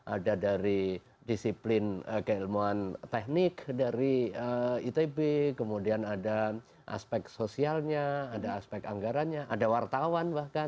ada dari disiplin keilmuan teknik dari itb kemudian ada aspek sosialnya ada aspek anggarannya ada wartawan bahkan